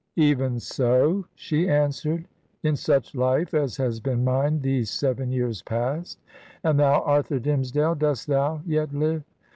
'Even so!' she answered. 'In such life as has been miiie these seven years past I And thou, Arthur Dimmesdale, dost thou yet live?'